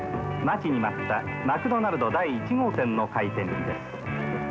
待ちに待ったマクドナルド第１号店の開店日です。